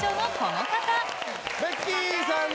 ベッキーさん